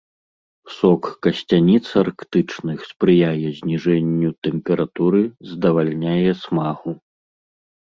Сок касцяніц арктычных спрыяе зніжэнню тэмпературы, здавальняе смагу.